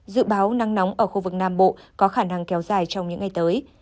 dự báo nắng nóng ở khu vực nam bộ có khả năng kéo dài trong những ngày tới